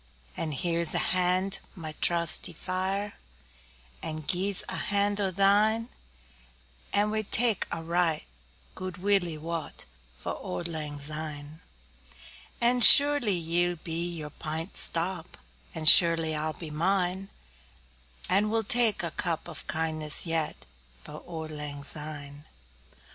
And here 's a hand, my trusty fiere, And gie's a hand o' thine; And we'll tak a right guid willie waught 15 For auld lang syne. And surely ye'll be your pint stowp, And surely I'll be mine; And we'll tak a cup o' kindness yet For auld lang syne!